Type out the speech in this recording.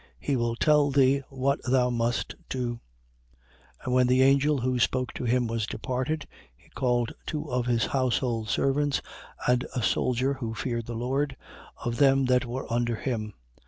He will tell thee what thou must do. 10:7. And when the angel who spoke to him was departed, he called two of his household servants and a soldier who feared the Lord, of them that were under him.